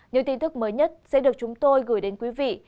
những tin tức mới nhất sẽ được chúng tôi gửi đến quý vị